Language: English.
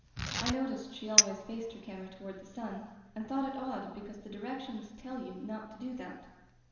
I noticed she always faced her camera toward the sun, and thought it odd because the directions tell you not to do that.